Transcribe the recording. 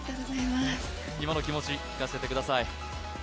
今の気持ち、聞かせてください。